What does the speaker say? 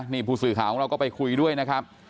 นี่ผู้สื่อข่าวของเราก็ไปคุยด้วยนะครับ